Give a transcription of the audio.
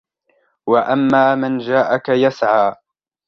وَأَمَّا مَنْ جَاءَكَ يَسْعَى